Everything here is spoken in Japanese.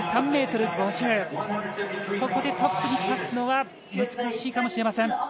ここでトップに立つのは難しいかもしれません。